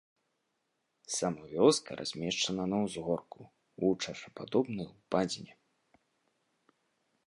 Сама вёска размешчана на ўзгорку ў чашападобнай упадзіне.